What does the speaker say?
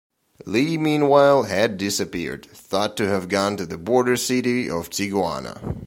Lee, meanwhile, had disappeared, thought to have gone to the border city of Tijuana.